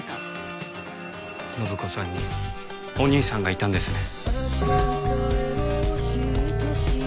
展子さんにお兄さんがいたんですね？